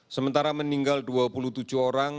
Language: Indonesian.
sementara meninggal dua puluh tujuh orang